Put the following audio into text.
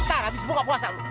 ntar habis buka puasa